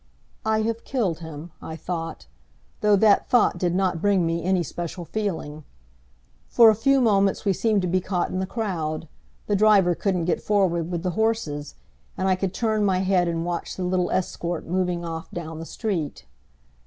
"I have killed him," I thought, though that thought did not bring me any special feeling. For a few moments we seemed to be caught in the crowd, the driver couldn't get forward with the horses, and I could turn my head and watch the little escort moving off down the street.